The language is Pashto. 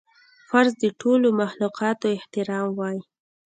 فرض د ټولو مخلوقاتو احترام وای